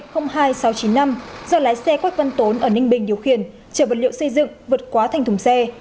do lái xe quách văn tốn ở ninh bình điều khiển chở vật liệu xây dựng vượt quá thành thùng xe